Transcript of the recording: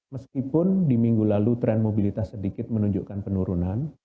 meskipun di minggu lalu tren mobilitas sedikit menunjukkan penurunan